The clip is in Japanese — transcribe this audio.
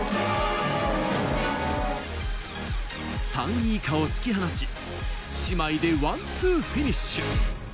３位以下を突き放し姉妹でワンツーフィニッシュ。